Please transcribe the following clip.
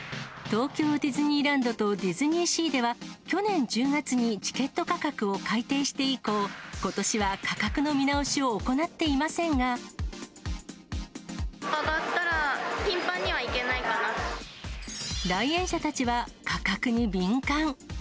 東京ディズニーランドとディズニーシーでは、去年１０月にチケット価格を改定して以降、ことしは価格の見直し上がったら、来園者たちは価格に敏感。